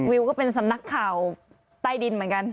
วิวก็เป็นสำนักข่าวใต้ดินเหมือนกัน